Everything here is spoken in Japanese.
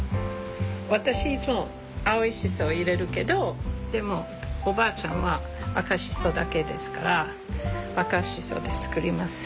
私いつも青いシソ入れるけどでもおばあちゃんは赤シソだけですから赤シソで作ります。